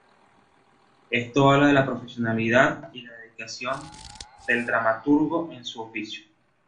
Esto habla de la profesionalidad y la dedicación del dramaturgo en su oficio.